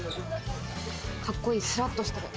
カッコいい、すらっとしてる。